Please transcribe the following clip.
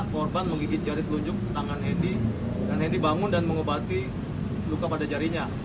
korban menggigit jari telunjuk tangan henni dan hedi bangun dan mengewabati luka pada jarinya